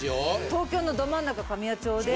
東京のど真ん中神谷町で。